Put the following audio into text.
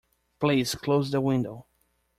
Please close the window.